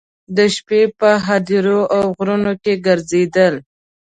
د شپې په هدیرو او غرونو کې ګرځېدل.